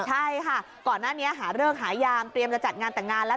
ใช่ค่ะก่อนหน้านี้หาเลิกหายามเตรียมจะจัดงานแต่งงานแล้ว